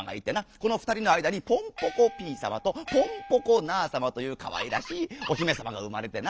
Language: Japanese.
このふたりの間にポンポコピーさまとポンポコナーさまというかわいらしいおひめさまがうまれてな